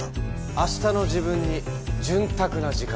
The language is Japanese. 「明日の自分に潤沢な時間」。